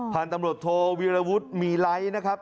พันธุ์ตำรวจโทวิรวุฒิมีไลท์นะครับ